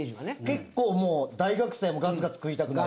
結構もう大学生もガツガツ食いたくなる。